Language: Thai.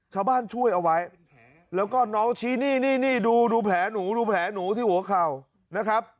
ช่วยเอาไว้แล้วก็น้องชี้นี่นี่ดูแผลหนูดูแผลหนูที่หัวเข่านะครับ